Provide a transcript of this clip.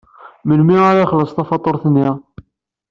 Melmi ara ixelleṣ tafatuṛt-nni?